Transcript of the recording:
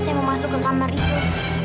saya mau masuk ke kamar itu